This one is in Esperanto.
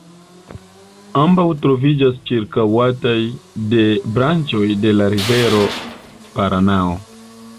Ambaŭ troviĝas ĉirkaŭataj de branĉoj de la rivero Paranao.